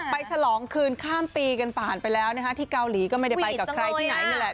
ฉลองคืนข้ามปีกันผ่านไปแล้วนะคะที่เกาหลีก็ไม่ได้ไปกับใครที่ไหนนี่แหละ